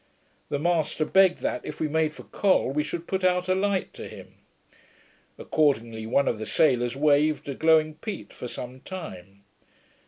The master begged that, if we made for Col, we should put out a light to him. Accordingly one of the sailors waved a glowing peat for some time.